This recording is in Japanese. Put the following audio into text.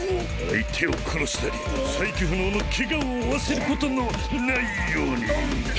相手を殺したり再起不能のケガを負わせることのないように。